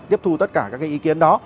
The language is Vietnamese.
tiếp thu tất cả các cái ý kiến đó